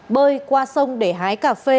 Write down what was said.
bơi qua sông để hái cà phê